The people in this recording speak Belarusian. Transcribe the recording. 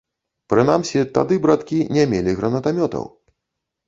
Прынамсі, тады браткі не мелі гранатамётаў.